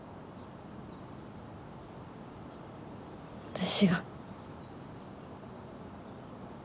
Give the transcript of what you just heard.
私が。